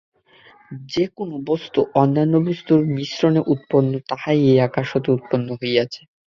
যে-কোন বস্তু অন্যান্য বস্তুর মিশ্রণে উৎপন্ন, তাহাই এই আকাশ হইতে উৎপন্ন হইয়াছে।